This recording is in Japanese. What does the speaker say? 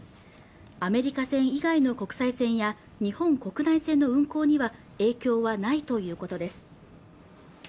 アメリカ線以外の国際線や日本国内線の運航には影響はないということです